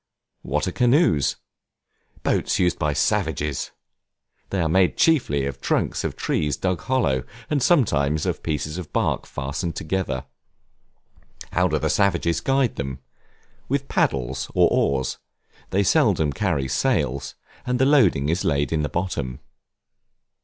What are Canoes? Boats used by savages; they are made chiefly of the trunks of trees dug hollow; and sometimes of pieces of bark fastened together. How do the savages guide them? With paddles, or oars; they seldom carry sails, and the loading is laid in the bottom.